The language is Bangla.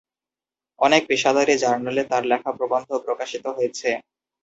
অনেক পেশাদারি জার্নালে তাঁর লেখা প্রবন্ধ প্রকাশিত হয়েছে।